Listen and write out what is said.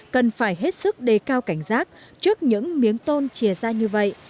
cần phải hết sức đề cao cảnh giác trước những miếng tôn chia ra như vậy